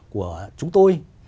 của chúng tôi